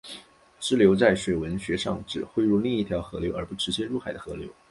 支流在水文学上指汇入另一条河流而不直接入海的河流。